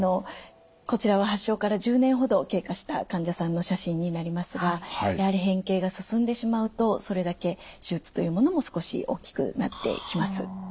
こちらは発症から１０年ほど経過した患者さんの写真になりますがやはり変形が進んでしまうとそれだけ手術というものも少し大きくなってきます。